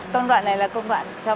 công đoạn này là công đoạn cho sắt đỏ